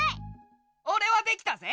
オレはできたぜ！